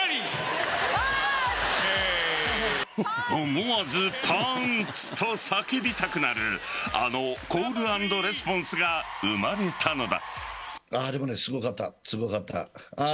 思わずパンツと叫びたくなるあのコール＆レスポンスが生まれたのだ。